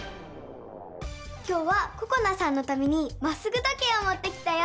今日はここなさんのためにまっすぐ時計をもってきたよ！